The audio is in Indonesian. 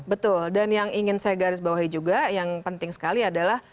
betul dan yang ingin saya garis bawahi juga yang penting sekali adalah